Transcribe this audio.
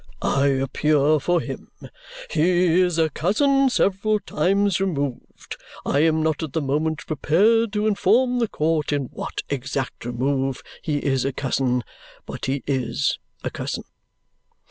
I appear for him. He is a cousin, several times removed. I am not at the moment prepared to inform the court in what exact remove he is a cousin, but he IS a cousin."